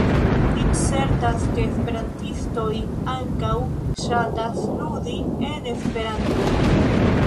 Ni certas, ke esperantistoj ankaŭ ŝatas ludi en Esperanto!